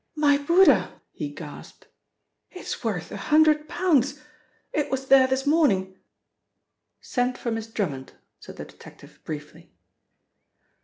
"My Buddha!" he gasped. "It is worth a hundred pounds. It was there this morning " "Send for Miss Drummond," said the detective briefly.